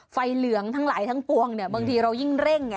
เหลืองทั้งหลายทั้งปวงบางทีเรายิ่งเร่งไง